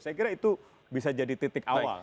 saya kira itu bisa jadi titik awal